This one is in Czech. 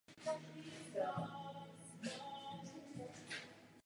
Prostředek může být adekvátní cíli a poznání může být adekvátní skutečnosti.